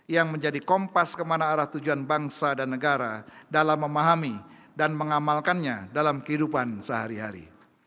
yang menjadi kompas kemana arah tujuan bangsa dan negara dalam memahami dan mengamalkannya dalam kehidupan sehari hari